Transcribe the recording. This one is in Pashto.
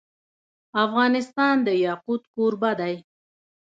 افغانستان د یاقوت کوربه دی.